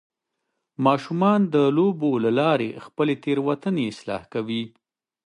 ماشومان د لوبو له لارې خپلې تیروتنې اصلاح کوي.